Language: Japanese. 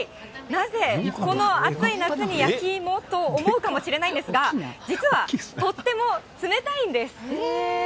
なぜこの暑い中に焼き芋と思うかもしれないんですが、実はとっても冷たいんです。